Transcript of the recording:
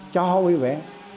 cho họ vui vẻ